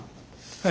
はい。